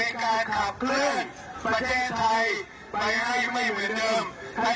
การขับเคลื่อนประเทศไทยไปให้ไม่เหมือนเดิมให้